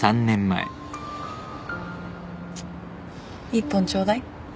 １本ちょうだい